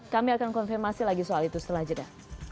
kami akan konfirmasi lagi soal itu setelah jeda